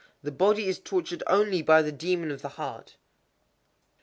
_ The body is tortured only by the demon of the heart.